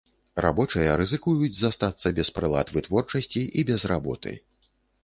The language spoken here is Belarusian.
Рабочыя рызыкуюць застацца без прылад вытворчасці і без работы.